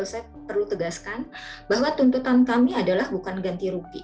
saya perlu tegaskan bahwa tuntutan kami adalah bukan ganti rugi